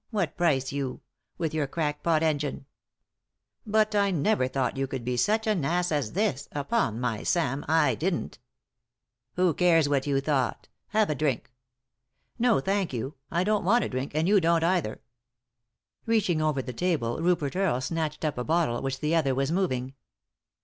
What price you ? With your crack pot engine I "" But I never thought you could be such an ass as this, upon my Sam, I didn't" " Who cares what you thought ? Have a drink." 244 , r ™ n , Google THE INTERRUPTED KISS " No, thank you ; i don't want a drink, and you don't other." Reaching over the table Rupert Earle snatched up a bottle which the other was moving.